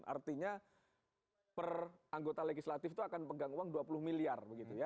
artinya per anggota legislatif itu akan pegang uang rp dua puluh miliar